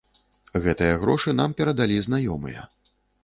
Гэтыя грошы нам перадалі знаёмыя.